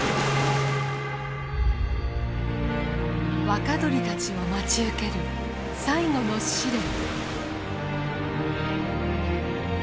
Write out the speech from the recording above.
若鳥たちを待ち受ける最後の試練。